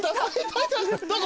どこ？